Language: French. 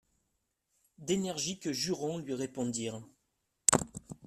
D'énergiques jurons lui répondirent.